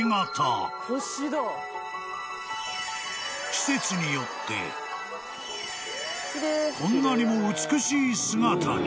［季節によってこんなにも美しい姿に］